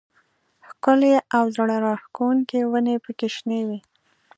ښکلې او زړه راښکونکې ونې پکې شنې وې.